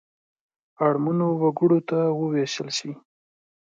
اړمنو وګړو ته ووېشل شي.